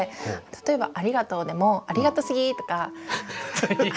例えば「ありがとう」でも「ありがとすぎ」とか。